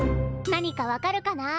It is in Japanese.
何か分かるかな？